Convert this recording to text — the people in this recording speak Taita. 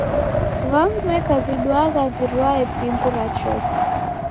W'amu w'eka w'iduagha w'irwae pingu rachopwa.